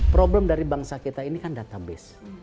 problem dari bangsa kita ini kan database